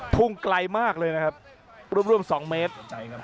พุ่งไกลมากเลยนะครับร่วม๒เมตร